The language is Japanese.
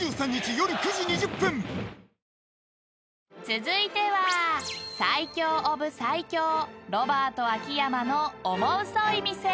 ［続いては最強・オブ・最強ロバート秋山のオモウソい店］